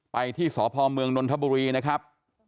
ไปที่สพเมืองนนทบุรีนะครับ